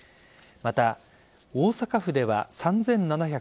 また、大阪府では３７６０人